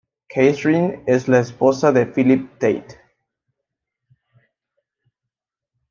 Kathryn es la esposa de Philip Tate.